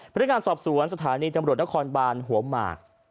พนักงานสอบสวนสถานีตำรวจนครบานหัวหมาก